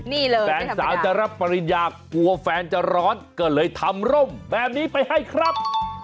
นี่เลยแฟนสาวจะรับปริญญากลัวแฟนจะร้อนก็เลยทำร่มแบบนี้ไปให้ครับ